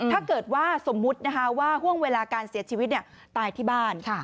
ถ้าเกิดว่าสมมุตินะคะว่าห่วงเวลาการเสียชีวิตตายที่บ้าน